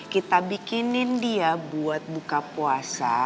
kita bikinin dia buat buka puasa